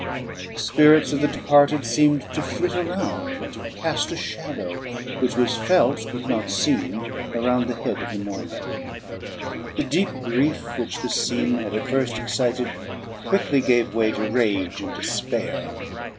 The spirits of the departed seemed to flit around, and to cast a shadow, which was felt but not seen, around the head of the mourner. The deep grief which this scene had at first excited quickly gave way to rage and despair.